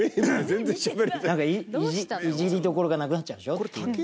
なんか、いじりどころがなくなっちゃうでしょ。